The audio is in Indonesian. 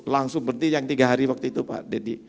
langsung berhenti yang tiga hari waktu itu pak deddy